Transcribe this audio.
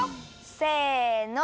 せの！